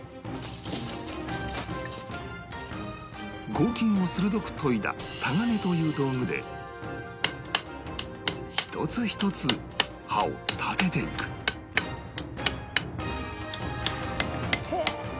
合金を鋭く研いだタガネという道具で一つ一つ刃を立てていくへえ！